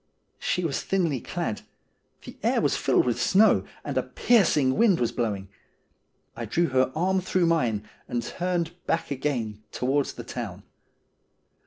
She was thinly clad ; the air was filled with snow, and a piercing wind was blowing. I drew her arm through mine, and turned back again towards the town.